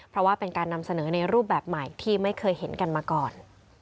เพราะว่าเป็นการนำเสนอในรูปแบบใหม่ที่ไม่เคยเห็นกันมาก่อน